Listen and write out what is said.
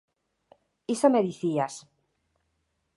Iso me dicías..